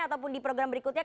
atau di program berikutnya